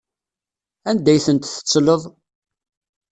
Anda ay tent-tettleḍ?